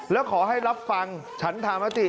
แล้วขอให้รับฟังฉันธามติ